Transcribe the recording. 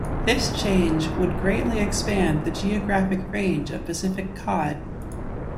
This change would greatly expand the geographic range of Pacific cod.